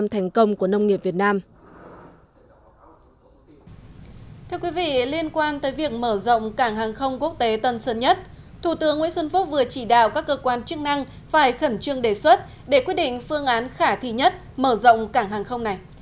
thưa quý vị liên quan tới việc mở rộng cảng hàng không quốc tế tân sơn nhất thủ tướng nguyễn xuân phúc vừa chỉ đạo các cơ quan chức năng phải khẩn trương đề xuất để quyết định phương án khả thi nhất mở rộng cảng hàng không này